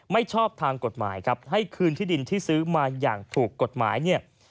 ไม่ชอบทางกฎหมายครับให้คืนที่ดินที่ซื้อมาอย่างถูกกฎหมายเนี่ย